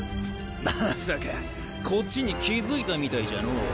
まさかこっちに気付いたみたいじゃのぉ。